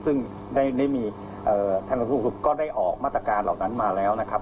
ซึ่งได้มีทางกระทรวงศุกร์ก็ได้ออกมาตรการเหล่านั้นมาแล้วนะครับ